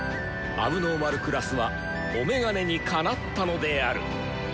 問題児クラスはお眼鏡にかなったのである！